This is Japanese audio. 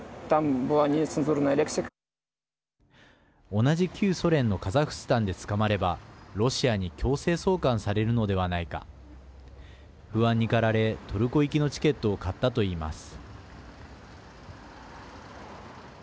同じ旧ソ連のカザフスタンで捕まればロシアに強制送還されるのではないか。不安にかられトルコ行きのチケットを買ったといいます。